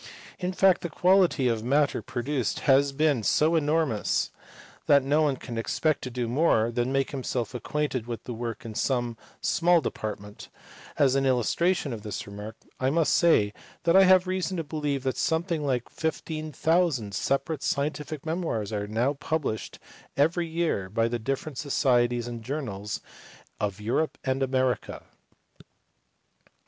In fact the quantity of matter produced has been B. 29 450 MATHEMATICS OF RECENT TIMES. so enormous that no one can expect to do more than make himself acquainted with the work in some small department : as an illustration of this remark I may say that I have reason to believe that something like 15,000 separate scientific memoirs are now published every year by the different societies and jour nals of Europe and America.